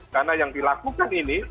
karena yang dilakukan ini